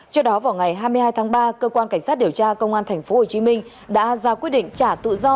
trước đó vào ngày hai mươi hai tháng ba cơ quan cảnh sát điều tra công an tp hcm đã ra quyết định trả tự do